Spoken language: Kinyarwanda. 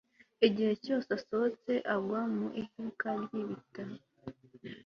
igihe cyose asohotse, agwa mu iduka ryibitabo